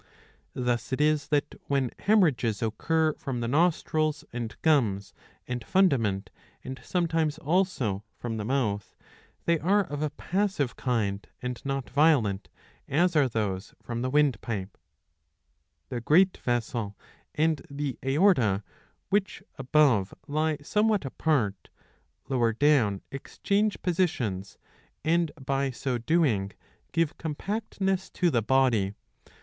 Thus it is that when haemorrhages occur from the nostrils and gums and fundament, and sometimes also from the mouth, they are of a passive kind, and not violent as are those from the windpipe. ^^ The great vessel and the aorta, which above lie somewhat apart, lower down exchange positions, and by so doing give compactness to the body.